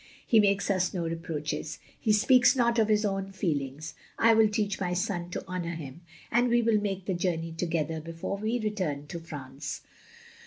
"He makes us no reproaches. He speaks not of his own feelings. I will teach my son to honour him, and we will make the journey together before we return to France.